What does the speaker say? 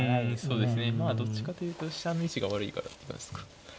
そうですねどっちかというと飛車の位置が悪いからって感じですか。